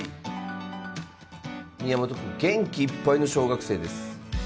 宮本くん元気いっぱいの小学生です。